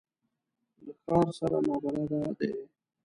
له ښار سره نابلده دي.